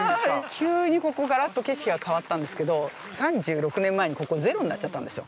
急にここ、がらっと景色が変わったんですけど３６年前にここ、ゼロになっちゃったんですよ。